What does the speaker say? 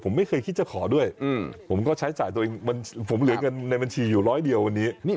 ผมไม่เคยคิดจะขอด้วยผมก็ใช้จ่ายตัวเองผมเหลือเงินในบัญชีอยู่ร้อยเดียววันนี้